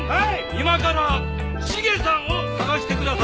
今から茂さんを捜してください。